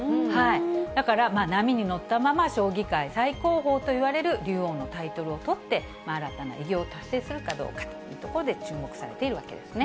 だから、波に乗ったまま、将棋界最高峰といわれる竜王のタイトルをとって、新たな偉業を達成するかどうかというところで注目されているわけですね。